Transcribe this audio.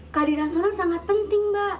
kadirah sona sangat penting mbak